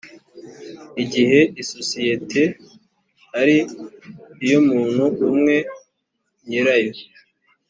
igihe isosiyete ari iy umuntu umwe nyirayo